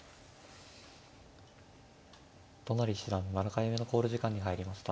都成七段７回目の考慮時間に入りました。